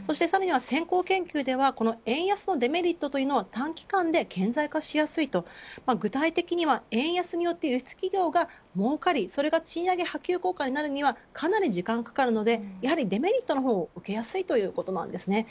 そしてさらに先行研究では円安のデメリットというのは短期間で顕在化しやすいと具体的には円安によって輸出企業が儲かりそれが賃上げ波及効果になるにはかなり時間がかかるのでデメリットの方が受けやすいということです。